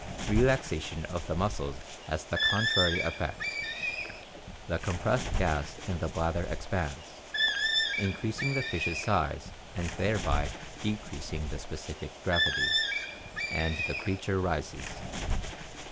Relaxation of the muscles has the contrary effect, the compressed gas in the bladder expands, increasing the fish's size and thereby decreasing the specific gravity, and the creature rises.